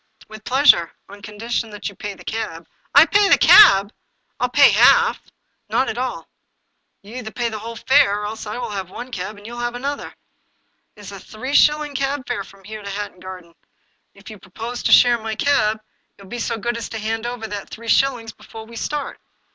" With pleasure, on condition that you pay the cab." " I pay the cab ! I will pay half." " Not at all. You will either pay the whole fare, or else I will have one cab and you shall have another. It is a three shilling cab fare from here to Hatton Garden. If you propose to share my cab, you will be so good as to hand over that three shillings before we start."